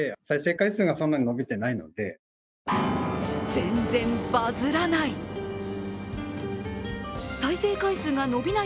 全然バズらない！